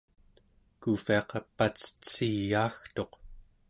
kuuvviaqa pacetsiyaagtuq